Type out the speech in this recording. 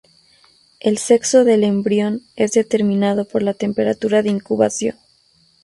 El sexo del embrión es determinado por la temperatura de incubación.